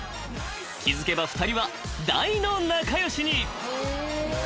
［気付けば２人は大の仲良しに］